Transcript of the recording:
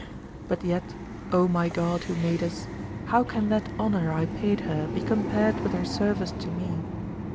But yet, O my God who made us, how can that honor I paid her be compared with her service to me?